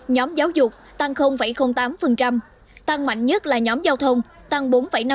nhóm giáo dục tăng tám tăng mạnh nhất là nhóm giao thông tăng bốn năm mươi chín